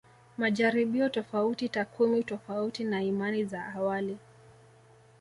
Majaribio tofauti takwimu tofauti na imani za awali